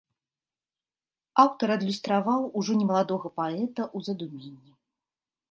Аўтар адлюстраваў ужо немаладога паэта ў задуменні.